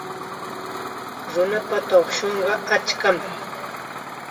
Nunapa tuqshunqa achkam.